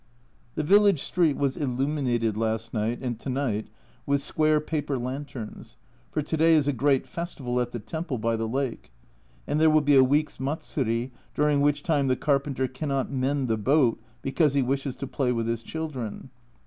The village street was illuminated last night and to night with square paper lanterns, for to day is a great festival at the temple by the lake ; and there will be a week's matsuri, during which time the carpenter cannot mend the boat because he wishes to play with his children.